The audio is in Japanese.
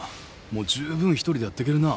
もうじゅうぶん一人でやってけるな。